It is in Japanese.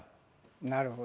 なるほど。